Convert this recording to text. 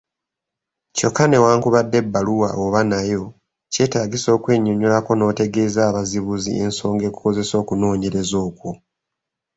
Kyokka newankubadde ebbaluwa oba nayo kyetaagisa okwennyonnyolako n’otegeeza abazibuzi ensonga ekukozesa okunoonyereza okwo.